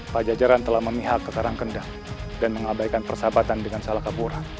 pajajaran telah memihak ke karangkendang dan mengabaikan persahabatan dengan salah kapura